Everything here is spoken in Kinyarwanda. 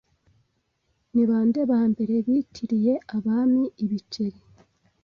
Ni bande ba mbere bitiriye abami ibiceri